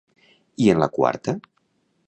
I en la quarta?